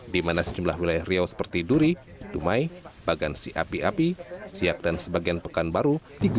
di mana sejumlah wilayah riau seperti duri dumai bagansi api api siak dan sebagian pekanbaru